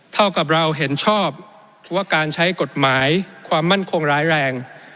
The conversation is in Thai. เท่ากับเราเห็นชอบว่าการใช้กฎหมายความมั่นคงร้ายแรง